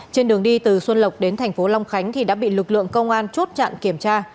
trên đường đi từ xuân lộc đến thành phố long khánh thì đã bị lực lượng công an chốt chặn kiểm tra